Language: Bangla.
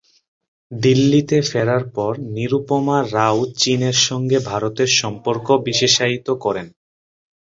দিল্লিতে ফেরার পর নিরুপমা রাও চিনের সঙ্গে ভারতের সম্পর্ক বিশেষায়িত করেন।